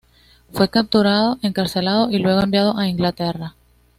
Fue capturado, encarcelado y luego enviado a Inglaterra.